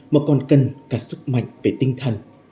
mà còn cần cả sức mạnh về tinh thần